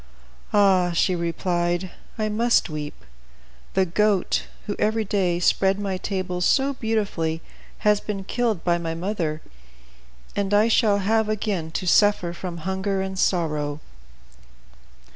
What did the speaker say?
"Ah!" she replied, "I must weep. The goat, who every day spread my table so beautifully, has been killed by my mother, and I shall have again to suffer from hunger and sorrow."